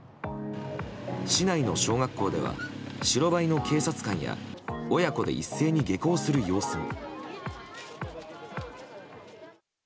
市内の小学校では白バイの警察官や親子で一斉に下校する様子も。